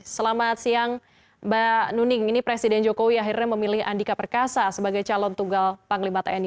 selamat siang mbak nuning ini presiden jokowi akhirnya memilih andika perkasa sebagai calon tunggal panglima tni